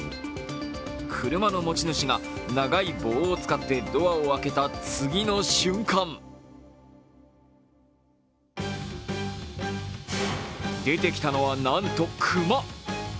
車の持ち主が長い棒を使ってドアを開けた次の瞬間出てきたのは、なんと熊。